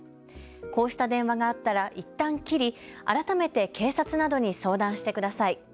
こうした電話があったらいったん切り、改めて警察などに相談してください。